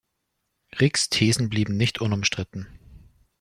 Riggs Thesen blieben nicht unumstritten.